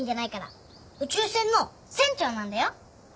宇宙船の船長なんだよ。